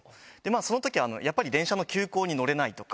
そのときは、やっぱり電車の急行に乗れないとか。